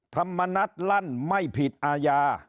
ธรรมนัฏลั่นไม่ผิดอาญา